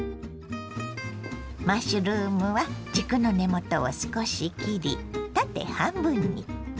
マッシュルームは軸の根元を少し切り縦半分に。